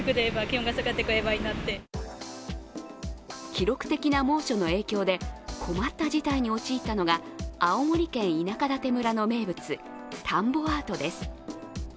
記録的な猛暑の影響で困った事態に陥ったのが青森県田舎館村の名物、田んぼアートです。